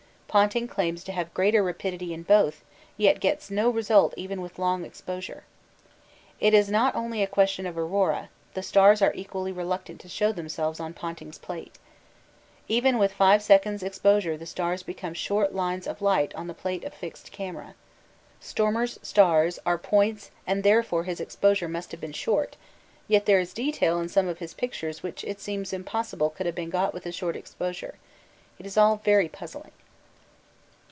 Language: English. Ponting claims to have greater rapidity in both, yet gets no result even with long exposure. It is not only a question of aurora; the stars are equally reluctant to show themselves on Ponting's plate. Even with five seconds exposure the stars become short lines of light on the plate of a fixed camera. Stormer's stars are points and therefore his exposure must have been short, yet there is detail in some of his pictures which it seems impossible could have been got with a short exposure. It is all very puzzling.